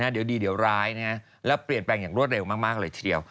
เดี๋ยวดีเดี๋ยวร้ายแล้วเปลี่ยนแปลงอย่างรวดเร็วมากเลยทีเดียว